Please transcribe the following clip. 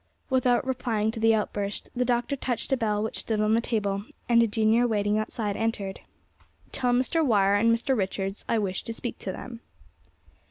Without replying to the outburst, the Doctor touched a bell which stood on the table, and a junior waiting outside entered. "Tell Mr. Wire and Mr. Richards I wish to speak to them."